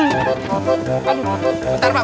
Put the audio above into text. bentar bang bentar bang